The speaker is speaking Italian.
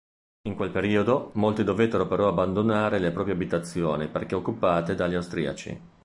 In quel periodo, molti dovettero però abbandonare le proprie abitazioni perché occupate dagli Austriaci.